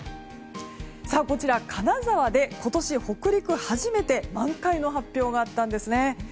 こちら金沢で今年北陸初めて満開の発表があったんですね。